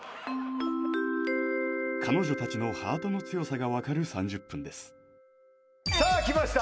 彼女たちのハートの強さが分かる３０分ですさあきました